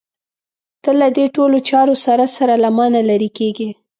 ته له دې ټولو چارو سره سره له مانه لرې کېږې.